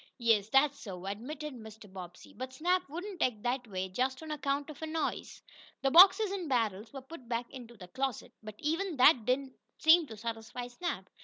"Yes, that's so," admitted Mr. Bobbsey. "But Snap wouldn't act that way just on account of a noise." The boxes and barrels were put back into the closet, but even that did not seem to satisfy Snap.